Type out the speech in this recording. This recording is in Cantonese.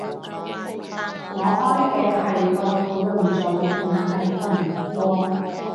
我開嘅係個討論組，唔係群喎